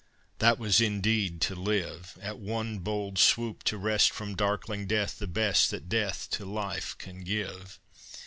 III That was indeed to live At one bold swoop to wrest From darkling death the best That death to life can give.